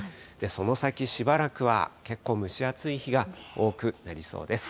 その先しばらくは、結構、蒸し暑い日が多くなりそうです。